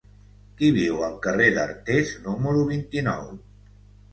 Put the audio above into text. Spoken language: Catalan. Qui viu al carrer d'Artés número vint-i-nou?